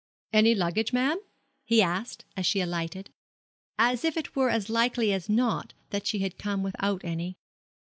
'Any luggage, ma'am?' he asked, as she alighted; as if it were as likely as not that she had come without any.